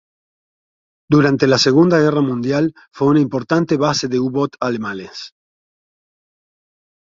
Durante la Segunda Guerra Mundial fue una importante base de U-Boot alemanes.